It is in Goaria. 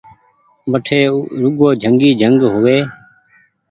وٺي روڳو جنگ ئي جنگ هووي